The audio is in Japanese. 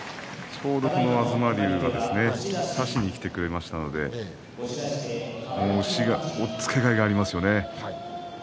ちょうど東龍が差しにきてくれましたので押っつけがいがありますね。